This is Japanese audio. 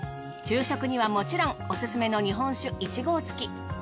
昼食にはもちろんおすすめの日本酒１合付き。